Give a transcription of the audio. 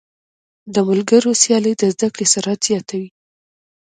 د ملګرو سیالۍ د زده کړې سرعت زیاتوي.